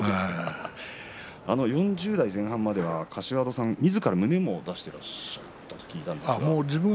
４０代前半までは柏戸さんみずから胸を出していたということを聞いていますが。